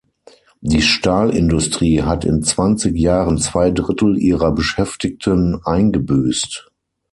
Die Stahlindustrie hat in zwanzig Jahren zwei Drittel ihrer Beschäftigten eingebüßt.